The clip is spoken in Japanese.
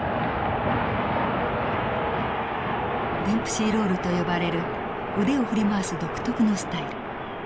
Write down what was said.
デンプシー・ロールと呼ばれる腕を振り回す独特のスタイル。